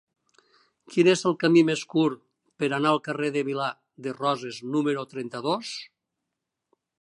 Quin és el camí més curt per anar al carrer de la Vila de Roses número trenta-dos?